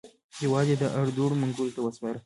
هېواد یې د اړدوړ منګولو ته وروسپاره.